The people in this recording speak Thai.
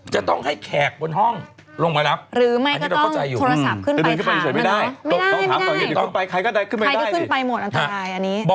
จะต้องให้แขกบนห้องลงไปรับ